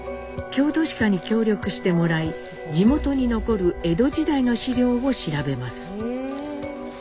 郷土史家に協力してもらい地元に残る江戸時代の資料を調べます。